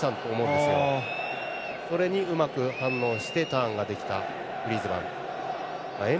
それに、うまく反応してターンができたグリーズマン。